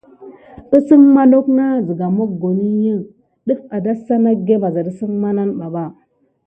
Kisin magra def siga mokoni vana wukisie barbar kedonsok detine di sika.